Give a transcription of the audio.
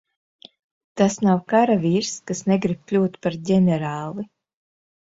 Tas nav karavīrs, kas negrib kļūt par ģenerāli.